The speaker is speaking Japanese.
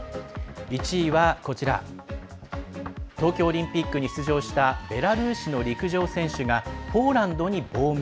１位は東京オリンピックに出場したベラルーシの陸上選手がポーランドに亡命。